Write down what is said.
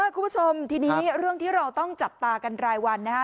คุณผู้ชมทีนี้เรื่องที่เราต้องจับตากันรายวันนะฮะ